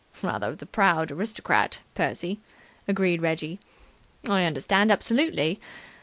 "Rather the proud aristocrat, Percy," agreed Reggie. "I understand absolutely.